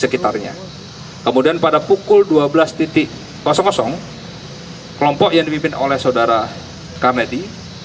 kemudian pada pukul dua belas kelompok yang dipimpin oleh saudara karmedi